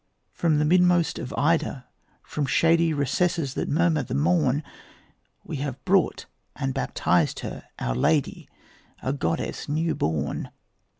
From the midmost of Ida, from shady Recesses that murmur at morn, They have brought and baptized her, Our Lady, A goddess new born.